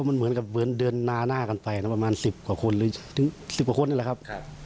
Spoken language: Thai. มันเหมือนกับเหมือนเดินหน้ากันไปนะประมาณ๑๐กว่าคนหรือถึง๑๐กว่าคนนี่แหละครับ